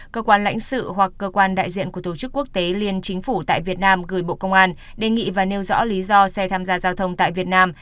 cơ quan lãnh sự hoặc cơ quan đại diện của tổ chức quốc tế liên chính phủ tại việt nam gửi bộ công an đề nghị và nêu rõ lý do xe tham gia giao thông tại việt nam